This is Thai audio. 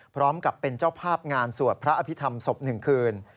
พร้อมกับเป็นเจ้าภาพงานสวดพระอภิษฐรรมศพ๑คืน